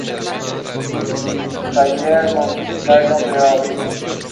Parte de este material es sólido, y contribuye a la construcción de la presa.